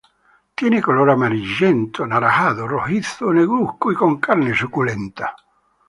Tiene color amarillento, anaranjado, rojizo o negruzco y con carne suculenta.